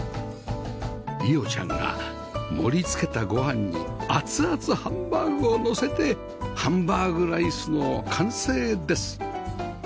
彩央ちゃんが盛り付けたご飯に熱々ハンバーグをのせてハンバーグライスの完成です